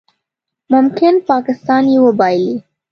ممکن پاکستان یې وبایلي